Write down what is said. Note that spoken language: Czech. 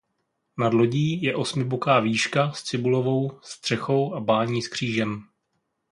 Nad lodí je osmiboká vížka s cibulovou střechou a bání s křížem.